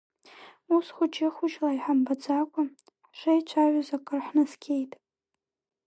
Ус, хәыҷы-хәыҷла иҳамбаӡакәа, ҳшеицәажәоз акыр ҳнаскьеит.